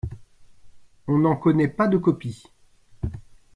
On n'en connaît pas de copie.